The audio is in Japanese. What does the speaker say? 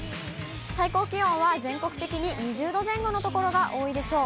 最高気温は全国的に２０度前後の所が多いでしょう。